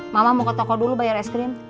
mama mau ke toko dulu bayar es krim